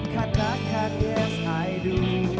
katakan yes i do